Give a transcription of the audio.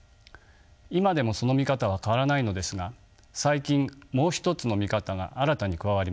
今でもその見方は変わらないのですが最近もう一つの見方が新たに加わりました。